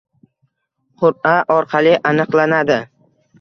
qur’a orqali aniqlanadi.